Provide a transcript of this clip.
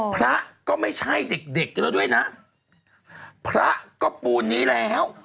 พระก็ไม่ใช่เด็กเด็กแล้วด้วยนะพระก็ปูนนี้แล้ว